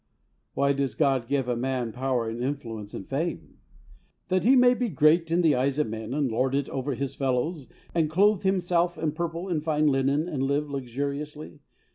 AVhy does God give a man power and influence and fame ? That he may be great in the eyes of men and lord it over his fellows and clothe himself in purple and fine linen and live luxuriously?